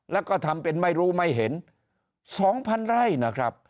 แล้วก็ทำเป็นไม่รู้ไม่เห็น๒๐๐๐ไร่นะครับ